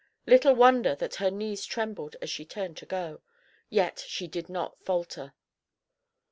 Little wonder that her knees trembled as she turned to go. Yet she did not falter.